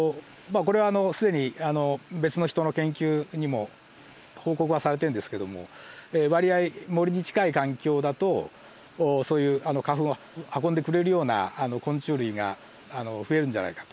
これは既に別の人の研究にも報告はされてるんですけども割合森に近い環境だとそういう花粉を運んでくれるような昆虫類が増えるんじゃないかと。